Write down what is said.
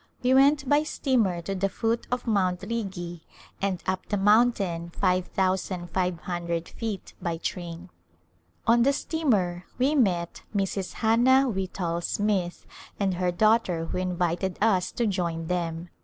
We went by steamer to the foot of Mt. Rigi and up the mountain 5,500 feet by train. On the steamer we met Mrs. Hannah Whitall Smith and her daughter who invited us to join them.